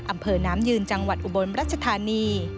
อำเภอน้ำยืนจังหวัดอุบลรัชธานี